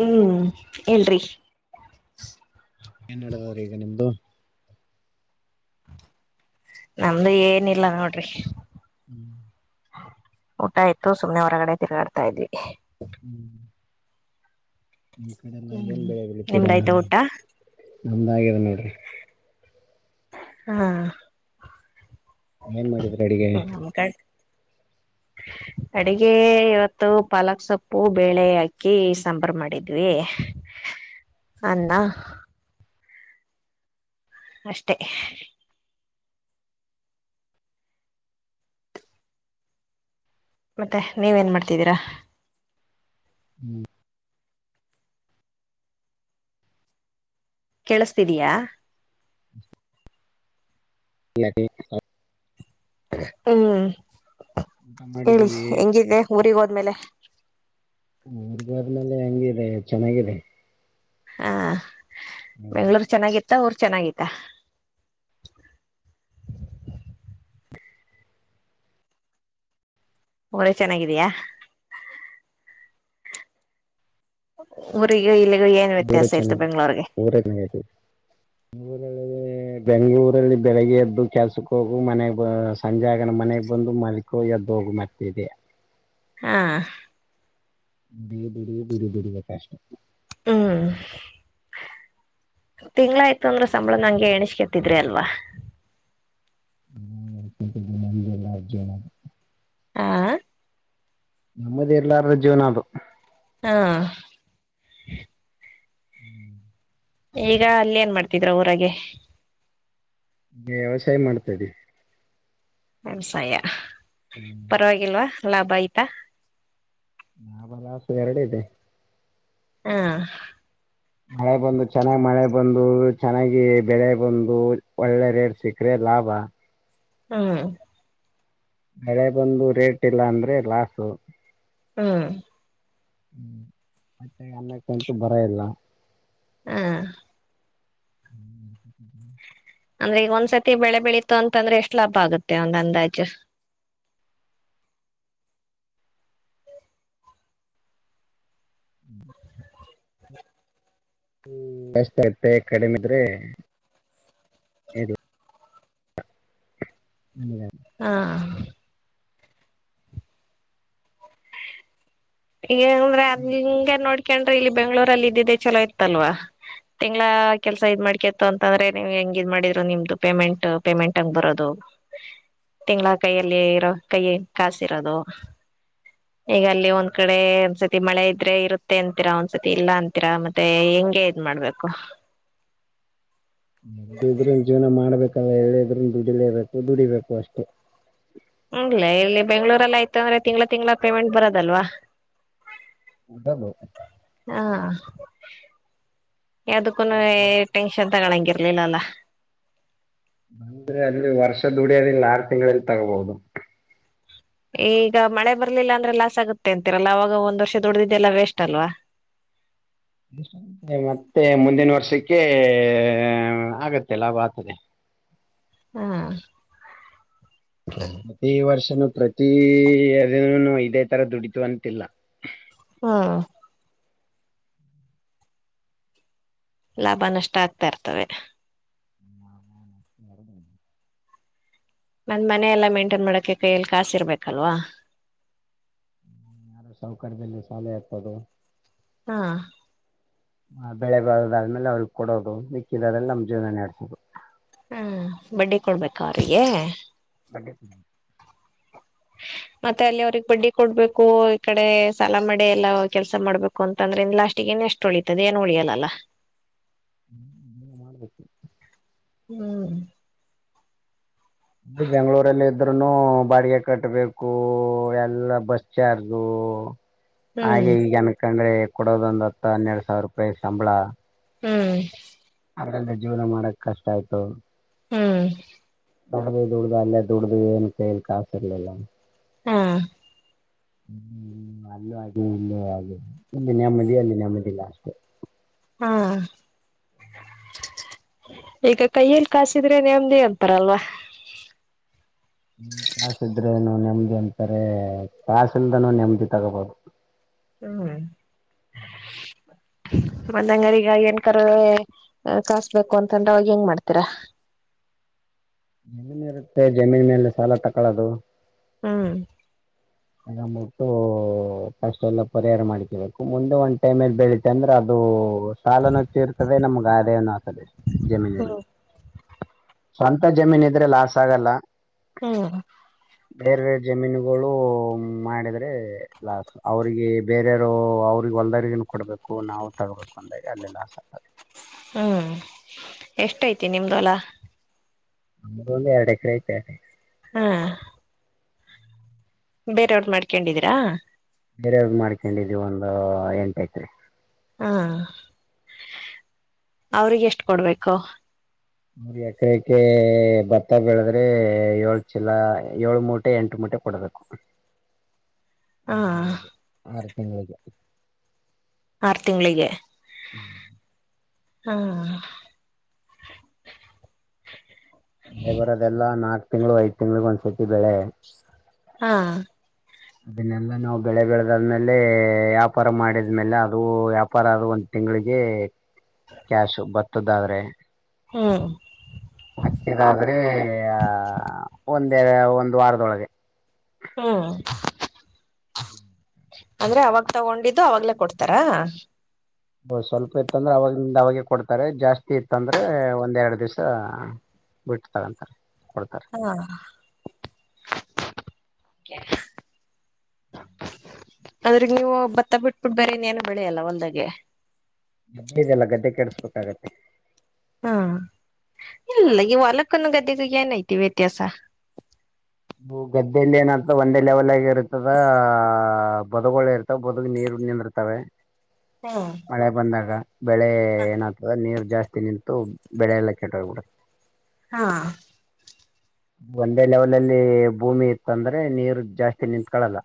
ಹ್ಮ್ [inaudible] ಇಲ್ರಿ ಏನ್ ನಡದದ್ರಿ ಈಗ ನಿಮ್ದು ನಮ್ದು ಏನಿಲ್ಲ ನೋಡ್ರಿ. ಹ್ಮ್ [inaudible] ಊಟ ಆಯ್ತು ಸುಮ್ನೆ ಹೊರಗಡೆ ತಿರುಗಾಡ್ತಾ ಇದ್ವಿ. ಹ್ಮ್ ನಿಮ್ ಕಡೆಇಂದ ಏನ್ ಬೆಳೆ ನಿಮ್ದ ಬೆಳಿತೀರಾ ಆಯ್ತಾ ಊಟ [inaudible] ನಮ್ದ ಆಗಿದೆ ನೋಡ್ರಿ. ಹಾ ಏನ್ ಮಾಡಿದ್ರಿ ಅಡಿಗೆ [inaudible] ನಮ್ಮ [inaudible] ಅಡಗೆ ಇವತ್ತು ಪಾಲಕ್ ಸೊಪ್ಪು ಬೇಳೆ ಹಾಕಿ ಸಾಂಬಾರ ಮಾಡಿದ್ವಿ. [inaudible] [inaudible] ಅನ್ನಾ ಅಷ್ಟೇ... ಮತ್ತೆ ನೀವ ಏನ್ ಮಾಡ್ತಿದ್ದೀರಾ. ಹ್ಮ್ ಕೇಳ್ಸ್ತಾದೀಯ ಹ [unintelligible] ಹ್ಮ್ ಊಟ ಹೇಳಿ ಮಾಡಿದೀವಿ ಹೆಂಗಿದ್ದೆ ಊರಿಗ್ ಹೋದ್ಮೇಲೆ ಮದ್ವೆ ಆದ್ಮೇಲೆ ಹೆಂಗ ಇಿದೆ ಚೆನ್ನಾಗಿದೆ ಹಾ ಬೆಂಗ್ಳೂರ್ ಚೆನ್ನಾಗಿತ್ತ ಊರ್ ಚೆನ್ನಾಗಿತ್ತ ಊರು ಚೆನ್ನಾಗಿದಯಾ ಊರಿಗೂ ಇಲ್ಲಿಗೂ ಏನ್ ವ್ಯತ್ಯಾಸ ಇತ್ತು ಬೆಂಗ್ಳೂರ್ಗೆ ಊರೇ ಚನಾಗಿತ್ತು ನ [unintelligible] ಬೆಂಗಗಳೂರಲ್ಲಿ ಬೆಳಗ್ಗೆ ಎದ್ದು ಕೆಲ್ಸಕ್ಕೆ ಹೋಗು ಮನೆಗ್ ಸಂಜೆಗನ ಮನೆಗ್ ಬಂದು ಮಲಗು ಎದ್ದು ಹೋಗಿ ಮತ್ ಇದಿಯಾ ಹಾ ಬಿಡಿ ಬಿಡಿ ಬಿಡಿ ಬಿಡಿಕಾಶ ಹ್ಮ್ ತಿಂಗ್ಳಾಯ್ತು ಅಂದ್ರೆ ಸಂಬಳ ನಂಗೆ ಎಣೆಿಸ್ಕತ್ತಿದ್ರಿ ಅಲ್ವಾ ಹ ನ ಎಲ್ಲ ಅ ಜನ [unintelligible] ಹಾ ನೆಮ್ಮದಿ ಇರ್ಲರ್ದ ಜೀವನ ಅದು ಹಾ ಹ್ಮ್ ಈಗ ಅಲ್ಲಿ ಏನ್ ಮಾಡ್ತಿದ್ರ ಊರಾಗ ವ್ಯವಸಾಯ ಮಾಡ್ತದೆನಿ ವ್ಯವಸಾಯ ಹ್ಮ್ ಪರವಾಗಿಲ್ವಾ ಲಾಭ ಆಯ್ತಾ ನಾ ಬಲಾಸ ಎರಡ ಇದೆ [unintelligible] ಹಾ ಮಳೆ ಬಂದು ಚೆನ್ನಾಗ್ ಮಳೆ ಬಂದು ಚೆನ್ನಾಗಿ ಬೆಳೆ ಬಂದು ಒಳ್ಳೆ ರೇಟ್ ಸಿಕ್ಕ್ರೆ ಲಾಭ ಹ್ಮ ಮಳೆ ಬಂದು ರೇಟ್ ಇಲ್ಲ ಅಂದ್ರೆ ಲಾಸು ಹ್ಮ್ ಹ್ಮ್ ಮತ್ತೆ ಅಮ್ಮಕ್ಕಂತು ಬರ ಇಲ್ಲ ಹ್ಮ ಹ್ಮ್್ಮ ಅಂದ್ರೆ ಈಗ ಒಂದ್ಸತಿ ಬೆಳೆ ಬೆಳೀಿತು ಅಂತಂದ್ರೆ ಎಷ್ಟು ಲಾಭ ಆಗುತ್ತೆ ಒಂದ್ ಅಂದಾಜು ಹ್ಮ ಹ್ಮ ಜಾಸ್ ಆಯತತೆ ಕಡಿಮೆಿದ್ರೆ ಹ ಹಾ ಂದ್ರೆ ಹಂಗಗೆ ನೋಡ್ಕೊಂಡ್ರಿ ಇಲ್ಲಿ ಬೆಂಗ್ಳೂರಲ್ಲಿ ಇದ್ದಿದ್ದೆ ಚಲೋ ಇತ್ತಲ್ವಾ ತಿಂಗಳ ಕೆಲ್ಸ ಇದ ಮಾಡ್ಕತ್ತ ಅಂತ ಅಂದ್ರೆ ನೀವ್ ಹೆಂಗ ಇದ್ ಮಾಡಿದ್ರು ನಿಮ್ದು ಪೇಮೆಂಟ್ ಪೇಮೆಂಟ್ ಹಂಗ್ ಬರೋದು ತಿಂಗಳ ಕೈಯಲ್ಲಿ ಇರೋ ಕೈಯ ಕಾಸಿರೋದು ಈಗ ಅಲ್ಲಿ ಒಂದು ಕಡೆ ಒಂದ್ಸತಿ ಮಳೆ ಇದ್ರೆ ಇರುತ್ತೆ ಅಂತೀರಾ ಒಂದ್ಸತಿ ಇಲ್ಲ ಅಂತೀರಾ ಮತ್ತೆ ಹೆಂಗೆ ಇದ್ ಮಾಡ್ಬೇಕು ಎದಿದ್ರರು ಜೀವನ ಮಾಡ್ಬೇಕಲ್ಲ ಎಲ್ಲಿದ್ರೂ ದುಡಿಲೇಬೇಕು ದುಡಿಬೇಕು ಅಷ್ಟೇ ಅಗಲೇ ಇಲ್ಲಿ ಬೆಂಗಳೂರಲ್ಲಿ ಆಯ್ತ್ ಅಂದ್ರೆ ತಿಂಗಳ ತಿಂಗಳ ಪೇಮೆಂಟ್ ಬರೋದಲ್ವಾ. [unintelligible] ಹಾ ಯಾವುದಕ್ಕನೇ ಟೆಂ ಷನ್ ತಂಗೊಂಡರ್ಲಿಲ್ಲ ಅಲ್ಲ ಅಂದ್ರೆ ಅಲ್ಲಿ ವರ್ಷ ದುಡಿಯೋದ್ ಇಲ್ಲಿ ಆರು ತಿಂಗಳಲ್ಲಿ ತಗೋಬಹುದು. ಈಗ ಮಳೆ ಬರ್ಲಿಲ್ಲ ಅಂದ್ರೆ ಲಾಸ್ ಆಗುತ್ತೆ ಅಂತಿರೆಲ್ಲ ಅವಾಗ ಒಂದ್ ವರ್ಷ ದುಡ್ದಿದ್ದ್ ಎಲ್ಲಾ ವೇಸ್ಟ್ ಅಲ್ವಾ. ಮತ್ತೆ ಮುಂದಿನ ವರ್ಷಕ್ಕೆ ಆಗುತ್ತೆ ಲಾಭ ಆತದೆ ಹಾ ಈ ವರ್ಷನೂ ಪ್ರತಿ ಅದೇನೆನೋ ಇದೇ ತರ ದುಡಿತಿವಂತಿಲ್ಲ‌. ಹಾ ಲಾಭ ನಷ್ಟ ಆಗ್ತಾ ಇರ್ತವೆ. [unintelligible] ನನ್ನ ಮನೆ ಎಲ್ಲಾ ಮಂಟೈನ್ ಮಾಡೊಕೆ ಕೈಯಲ್ಲಿ ಕಾಸೂ ಇರ್ಬೇಕಲ್ವಾ. ಸೌಕರ್ಯದಲ್ಲಿ ಸಾಲ ಯಂತದು ಹಾ ಬೆಳೆ ಬಾರೋದಾದ್ಮೇಲೆ ಅವ್ರಿಗೆ ಕೊಡೋದು ಮಿಕ್ಕಿದ್ರಲ್ಲಿ ನಮ್ಮ್ ಜೀವನ ನೆಡ್ಸೋದು. ಹ ಬಡ್ಡಿ ಕೊಡ್ಬೇಕಾ ಅವ್ರಿಗೆ. ಬಡ್ಡಿ ಮತ್ತೆ ಅಲ್ಲಿ ಅವ್ರಗ್ ಬಡ್ಡಿ ಕೊಡ್ಬೇಕು ಈ ಕಡೆ ಸಾಲ ಮಾಡಿ ಎಲ್ಲಾ ಕೆಲಸ ಮಾಡ್ಬೇಕು ಅಂತಂದ್ರೆ ಲಾಸ್ಟ್ಗೆ ಇನ್ನೇಷ್ಟ್ ತೊಳಿತದೆ ಏನು ಉಳಿಯಲ್ಲಾ ಅಲ್ಲ. ಹ್ಮ್ [unintelligible] ಹ್ಮ್ ಅಲ್ಲಿ ಬೆಂಗಳೂರಲ್ಲಿ ಇದ್ರೂನು ಬಾಡಿಗೆ ಕಟ್ಟಬೇಕು ಎಲ್ಲಾ ಬಸ್ ಚಾರ್ಜು ಹ್ಮ್ ಹಾಗೆ ಈಗೆ ಅನ್ಕಂಡ್ರೆ ಕೊಡೋದ್ ಒಂದ್ ಹತ್ತೊ ಹನ್ನೆರಡು ಸಾವಿರ ರೂಪಾಯಿ ಸಂಬಳ. ಹ್ಮ್ ಅದ್ರಲ್ಲಿ ಜೀವನ ಮಾಡಕ್ ಕಷ್ಟ ಆಯ್ತು. ಹ್ಮ್ ದುಡ್ದ್ ದುಡ್ದು ಅಲ್ಲೇ ದುಡ್ದು ಏನೂ ಕೈಲಿ ಕಾಸಿರ್ಲಿಲ್ಲ ಹಾ ಹ್ಮ್ ಅಲ್ಲೂ ಆಗೆ ಇಲ್ಲೂ ಆಗೆ ಇಲ್ಲಿ ನೆಮ್ಮದಿ ಅಲ್ಲಿ ನೆಮ್ಮದಿ ಇಲ್ಲ ಅಷ್ಟೆ. ಹಾ ಈಗ ಕೈಯಲ್ಲಿ ಕಾಸಿದ್ರೆ ನೆಮ್ಮದಿ ಅಂತಾರಲ್ವಾ. ಕಾಸು ಇದ್ರೆನು ನೆಮ್ಮದಿ ಅಂತಾರೆ ಕಾಸು ಇಲ್ದಾನೂ ನೆಮ್ಮದಿ ತಗೋಬಹುದು. ಹ್ಮ [unintelligible] ಮನೆಯಾವರೀಗಾಗಿ ಏನ್ ಕರೆ ಕಾಸ್ ಬೇಕು ಅಂತಂದ್ರೆ ಅವಾಗ ಏನ್ ಮಾಡ್ತೀರಾ. ಜಮೀನು ಇರುತ್ತೆ ಜಮೀನ ಮೇಲೆ ಸಾಲ ತಕೊಳ್ಳೋದು. ಹ್ಮ್ ತಗೊಬುಟ್ಟು ಫಸ್ಟ್ ಎಲ್ಲಾ ಪರಿಹಾರ ಮಾಡ್ಕಬೇಕು ಮುಂದೆ ಒಂದ್ ಟೈಮ್ ಅಲ್ಲಿ ಬೆಳಿತು ಅಂದ್ರೆ ಅದೂ ಸಾಲನ್ನು ತಿರ್ತದೆ ನಮ್ಗೆ ಆದಾಯನ್ನು ಆಗ್ತದೆ ಜಮೀನಲ್ಲಿ. ಹ್ಮ್ ಸ್ವಂತ ಜಮೀನ್ ಇದ್ರೆ ಲಾಸ್ ಆಗಲ್ಲ. ಹ್ಮ್ ಬೇರೆ ಜಮೀನುಗಳು ಮಾಡಿದ್ರೆ ಲಾಸ್ ಅವ್ರಿಗೆ ಬೇರೆಯವರು ಅವ್ರಿಗೆ ಹೊಲ್ದ್ರಗನ್ ಕೊಡ್ಬೇಕು ನಾವು ತಗಬೇಕು. ಂದ ಅಲ್ಲಿಲ್ಲ ಆ [unintelligible] ಹ್ಮ್, ಎಷ್ಟ ಐತಿ ನಿಮ್ದುಹೊಲಾ ಭೂಮಿ ಎರಡು ಎಕರೆ ಐತೆ. ಹಾ, ಬೇರವ್ರರು ಮಾಡ್ಕೊಂಡಿದೀರಾ, - ಬೇರಯವರ್ದು ಮಾಡ್ಕೊಂಡಿದ್ವಿ ಒಂದು ಎಂಟ ಎಕರೆ. ಹಾ, ಅವ್ರಿಗೆ ಎಷ್ಟು ಕೊಡ್ಬೇಕು. ಎಕರೆಕೆ ಭತ್ತಾ ಬೆಳದ್ರೆ ಏಳ್ ಚೀಲ, ಏಳು ಮೂಟೆ, ಎಂಟು ಮೂಟೆ ಕೊಡಬೇಕು. ಹಾ ಆರ್ ತಿಂಗಳಿಗೆ. ಆರು ತಿಂಗಳಿಗೆ. ಹ್ಮ್ [inaudible] ಹ್ಮ [unintelligible] ಬೆರೆ [unintelligible] ಬರೋದೆಲ್ಲ ನಾಕ್ ತಿಂಗಳು, ಐದ್ ತಿಂಗ್ಳಗ್ ಒಂದ್ಸರ್ತಿ ಬೆಳೆ. ಹಾ, [unintelligible] ಅದನ್ನೆಲ್ಲಾ ನಾವು ಬೆಳೆ ಬೆಳೆದಾದ್ಮೇಲೆ ವ್ಯಾಪಾರ ಮಾಡಿದ್ಮೇಲೆ ಅದು ವ್ಯಾಪಾರ ಆದ ಒಂ ತಿಂಗಳಿಗೆ ಕ್ಯಾಶು ಭತ್ತದಾದ್ರೆ. ಹ್ಮ, ಹಕ್ಕಿದಾದ್ರೆ ಒಂದ ಒಂದು್ ವಾರದೊಳಗೆ. ಹ್ಮ್, ಅಂದ್ರೆ ಅವಾಗ ತಗೊಂಡಿದ್ದು ಅವಾಗ್ಲೇ ಕೊಡ್ತಾರಾ ಸ್ವಲ್ಪ ಇತ್ತಂದ್ರೆ ಅವಾಗಿಂದ ಅವಾಗೆ ಕೊಡ್ತಾರೆ. ಜಾಸ್ತಿ ಇತ್ತಂದ್ರೆ ಒಂದೆರಡ್ ದಿವ್ಸ ಬಿಟ್ಟು ತಗೊಂತಾರೆ ಕೊಡ್ತಾರೆ. ಹಾ, [unintelligible] ಅಂದ್ರೆ ನೀವು ಭತ್ತ ಬಿಟ್ಬಿಟ್ಟ ಬೇರ ಏನು ಬೆಳೆಯಲ್ಲ ಒಂಲ್ದಾಗೆ. ಗದ್ದೆ ಇದೆಲ್ಲ ಗದ್ದೆ ಕೆಡಿಸಬೇಕಾಗತ್ತೆ. ಹಾ ಇಲ್ಲ ಈ ಹೊಲಕ್ಕನ್ನು ಗದ್ದೆಗು ಏನ್ಐತೆ ವ್ಯತ್ಯಾಸ. ಗದ್ದೆಯಲ್ಲಿ ಏನತಾದ ಒಂದೇ ಲೆವೆಲ್ ಆಗಿ ಇರ್ತದಹ ಬದಗೊಮಇರ್ತದೆ. ಬದು ನೀರು ನಿಂದ್ರತವೆ ಹ್ಞಾ [inaudible] ಮಳೆ ಬಂದಾಗ ಬೆಳೆ ಏನಾಗ್ತದ ನೀರು ಜಾಸ್ತಿ ನಿಂತು ಬೆಳೆಯಲ್ಲಾ ಕೆಟ್ಟೋಗ್ಬಿಡುತ್ತೆ. ಹ್ಞಾ [inaudible] ಒಂದೇ ಲೆವಲಲ್ಲಿ ಭೂಮಿ ಇತ್ತಂದ್ರೆ ನೀರು ಜಾಸ್ತಿ ನಿಂತ್ಕಳಲ್ಲ.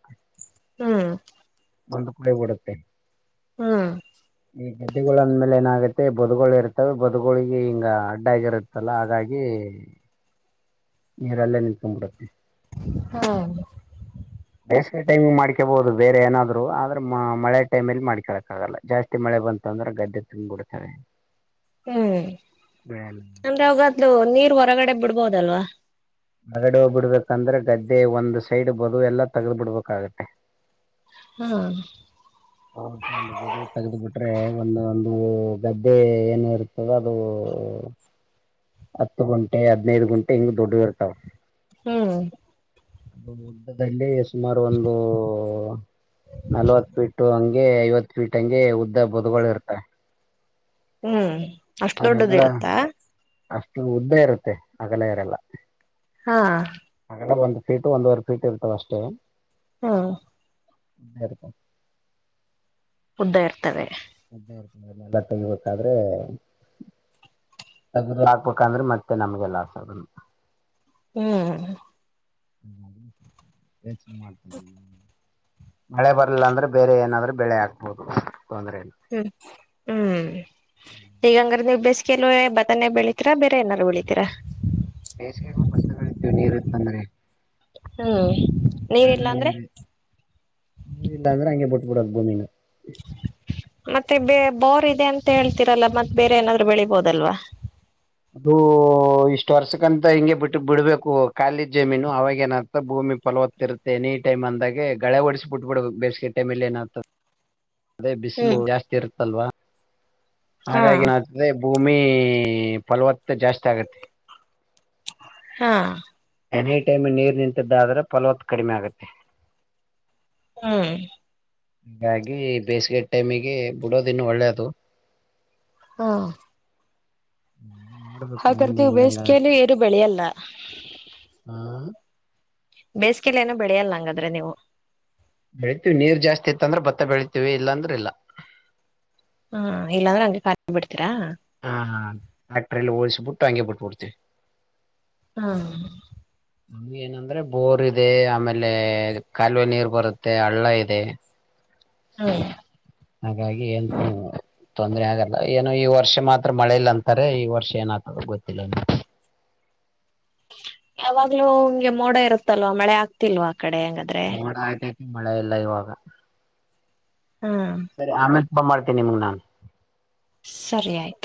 ಹ್ಮ್, ಬಂದ್ ಕೂಳೆ ಓಡುತ್ತೆ ಹ್ಮ್, ಈ ಗದ್ದೆಗಳು ಅಂದ ಮೇಲೆ ನಾವಿರ್ತೆವಿ ಬದುಗಳು ಇರ್ತಾವೆ ಹಬದುಗಳಿಗೆ ಹಿಂಗ ಅಡ್ಡ ಆಗಿರುತ್ತಲ್ಲ ಹಾಗಾಗಿ ನೀರಲ್ಲೇ ನಿತ್ಕೊಂಡ್ ಬಿಡತೆ ಹ್ಞಾ [unintelligible] ಬೇಸಿಗೆ ಟೈಮ್ ಮಾಡ್ಕೆಬೋದು ಬೇರೆ ಏನಾದ್ರು. ಆದ್ರ ಮಳೆ ಟೈಮಲ್ಲಿ ಮಾಡ್ಕೆಳಕ್ಕಾಗಲ್ಲ ಜಾಸ್ತಿ ಮತ್ತೆ ಮಳೆ ಬಂತು ಅಂದ್ರೆ ಗದ್ದೆ ತುಂಬಿರಡ್ತವೆ ಹ್ಮ್, ಅಂದ್ರೆ ಅವಾಗಾದ್ರು ನೀರ್ ಹೊರಗಡೆ ಬಿಡ್ಬೋದಲ್ವಾ ಎರಡು ಬಿಡಬೇಕಂದ್ರೆ ಗದ್ದೆ ಒಂದ್ ಸೈಡ್ ಬದು ಎಲ್ಲಾ ತಗದ್ ಬಿಡ್ಬೇಕಾಗತ್ತೆ. ಹ್ಮ್, ಹೌ ಚ [unintelligible] ಅದು ತೆಗೆದುಬಿಟ್ಟರೆ ಒಂದ ಒಂದು ಗದ್ದೆ ಏನ ಇರ್ತದ ಅದು ಹತ್ತು ಗುಂಟೆ ಹದಿನೈದು ಗುಂಟೆ ಹಿಂಗ್ ದೋಡ್ಡು ಇರ್ತಾವ್ ಹ್ಮ ಅದು ಉದ್ದದಡ್ಡಿ ಸುಮಾರು ಒಂದು ನಲ್ವತ್ ಫೀಟ್ ಅಂಗೆ ಐವತ್ತು ಫೀಟ್ ಅಂಗೆ ಉದ್ದ ಬದುಗಳು ಇರ್ತವೆ. ಹ್ಞ ಅನೆಲ್ಲಾ ಅಷ್ಟು ಉದ್ದ ಇರುತ್ತೆ ಅಗಲ ಇರಲ್ಲಾ ಹಾಂ ಹಾಗ ಒಂದ ಫೀಟ್ ಒಂದೂವರೆ ಫೀಟ್ ಇರ್ತವ ಅಷ್ಟೇ ಹಾ [unintelligible] ಉದ್ದ ಇರ್ತವೆ [unintelligible] ಬಾದ್ರೆ ಹಾಕ್ಬೇಕಂದ್ರೆ ಮತ್ತೆ ನಮ್ಗೆ ಲಾಸ್ ಅದು ಹ್ಮ್ [unintelligible] ಮಾಡ್ತ ಮಳೆ ಬರಲ್ಲ ಅಂದ್ರೆ ಬೇರೆ ಏನಾದ್ರೆ ಬೆಳೆ ಹಾಕ್ಬೋದು ತೊಂದ್ರರೆಲ್ಲಾ ಹ್ಮ್ ಹ್ಮ್ ಈಗಂಗ್ರ ನೀವು ಬೇಸ್ಗೆಲ್ಲ ಬಟನೆ ಬೆಳಿತೀರಾ ಬೇರೆ ಏದಾರು ಬೆಳಿತೀರಾ ಬೇಸಿಗೆಗೂ ಭತ್ತ ಬೇಳಿತೀವಿ ನೀರ್ ಇತ್ತಂದ್ರೆ ಹ್ಮ ಕಾಲುವೆ ನೀರಿ ನೀರಿಲ ಅಂದ್ರೆ ಹಂಗೆ ಬಿಟ್ಬಿಡದ ಭೂಮಿನ ಮತ್ತೆ ಬ ಬೋರ್ ಇದೆ ಅಂತ ಹೇಳ್ತರಲ್ಲ ಮತ್ ಬೇರೆ ಏನಾದ್ರು ಬೆಳಿಬೋದಲ್ವಾ ಅದು ಇಷ್ಟು ವರ್ಷಕ್ಕಂತ ಹಿಂಗೆ ಬಿಟ್ಟ ಬಿಡ್ಬೇಕು ಕಾಲಿದ ಜಮೀನು ಅವಾಗ ಏನಾಗತದ ಭೂಮಿ ಫಲವತ್ತಿರುತ್ತೆ ಎನ ಟಮ್ ಅಂದಾಗ ಗಳೆಓಡಸಿ ಬಿಟ್ಬಿಡ ಬೇಸಿಗೆ ಟೈಮಲ್ಲಿ ಏನ್ತದೆ ಅದೇ ಬಿಸಿಲು ಹ್ಮ್ ಜಾಸ್ತಿ ಇರುತ್ತಲ್ವಾ ಹಾ ಹಾಗಾಗಿ ನಾ ಅದೇ ಭೂಮಿ ಫಲವತ್ತ ಜಾಸ್ತಿ ಆಗತ್ತೆ ಹಾ ಎನಿ ಟೈಮ್ ನೀರ್ ನಿಂತದ್ದಾದ್ರೆ ಫಲವತ್ತುತ್ ಕಡಿಮೆ ಆಗುತ್ತೆ ಹ್ಮ್ ಹೀಗಾಗಿ ಬೇಸಿಗೆ ಟೈಮಿಗೆ ಬಿಡೋದ ಇನ್ನು ಒಳ್ಳೇದು ಹಾ ನೋಡ್ಬೇಕು ಮುಂದೆ ಹೆಂಗ್ ಹೆಂಗ ಆಗತ್ತ ಇ ಬೆಳೆಯಲ್ಲ ಹ್ಮ್ ಬೆಸೆಗೆಯಲಿ ಏನೋ ಬೆಳೆಯಲ್ಲ ಹಂಗಾದ್ರೆ ನೀವು ಬೆಳಿತೀವಿ ನೀರ್ ಜಾಸ್ತಿ ಇತ್ತ ಅಂದ್ರೆ ಭತ್ತ ಬೆಳಿತಿವಿ ಇಲ್ಲಂದ್ರ ಇಲ್ಲ ಹಾ ಇಲ್ಲಾಂದ್ರೆ ಹಂಗೆ ಕಾಲಿ ಬಿಡ್ತೀರಾ ಹಾ ಟ್ರಾಕ್ಟರಲಿ ಹೋಳಿಸಬಿಡು ಬಿಟಿಬಿಡ್ತಿವಿ ಹಾ ಏನಂದ್ರೆ ಬೋರ್ ಇದೆ ಆಮೇಲೆ ಕಾಲುವೆ ನೀರ್ ಬರುತ್ತೆ ಹಳ್ಳ ಇದೆ ಹ ಹ್ಮ್ ಹಾಗಾಗಿ ಹೇಳ್ತೀವಿ ತೊಂದ್ರರೆ ಆಗಲ್ಲ ಏನೋ ಈ ವರ್ಷ ಮಾತ್ರ ಮಳೆ ಇಲ್ಲ ಅಂತಾರೆ ಈ ವರ್ಷ ಏನ ಆ್ತದ ಗೊತ್ತಿಲ್ಲವ ಯಾವಾಗ್ಲೂ ಹಂಗೆ ಮೋಡ ಇರುತ್ತಲ್ವಾ ಮಳೆ ಆಗ್ತಿಲ್ವಾ ಆ ಕಡೆ ಹಂಗಾದ್ರೆ ಮೋಡ ಆಗೈತೆ ಮಳೆ ಇಲ್ಲ ಇವಾಗ ಹಾ ಸರಿ ಆಮೇ ಫೋನ್ ಮಾಡ್ತಿನಿ ನಿಮಗೆ ನಾನು ಸರಿ ಅಯ್ತು